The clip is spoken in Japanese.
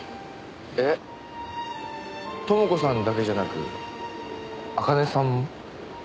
えっ朋子さんだけじゃなく茜さんも？